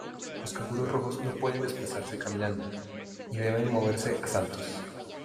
Los canguros rojos no pueden desplazarse caminando, y deben moverse a saltos.